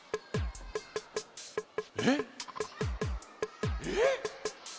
えっえっ？